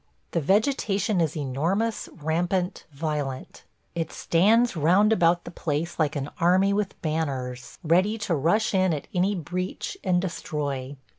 The vegetation is enormous, rampant, violent. ... It stands round about the place like an army with banners, ready to rush in at any breach and destroy.